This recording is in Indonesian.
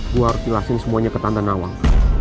gue harus jelasin semuanya ke tante nawang